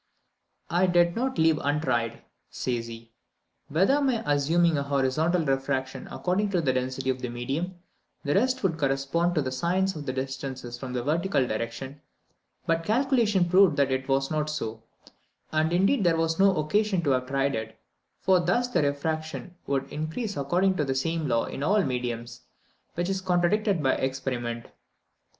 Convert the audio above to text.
"I did not leave untried," says he, "whether, by assuming a horizontal refraction according to the density of the medium, the rest would correspond to the sines of the distances from a vertical direction, but calculation proved that it was not so: and, indeed, there was no occasion to have tried it, for thus the refraction would increase according to the same law in all mediums, which is contradicted by experiment."